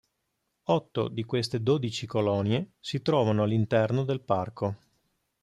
Otto di queste dodici colonie si trovano all'interno del parco.